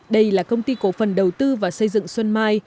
đây là công ty cổ phần đầu tư và xây dựng xuân mai